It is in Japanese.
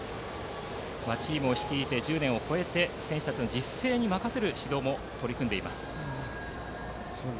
チームを率いて１０年を超えて選手の自主性に任せる指導にも取り組んでいます。